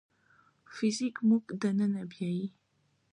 فزیک موږ دننه بیايي.